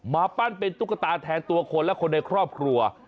มาปั้นเป็นตุ๊กตาแทนตัวคนและคนในครอบครัว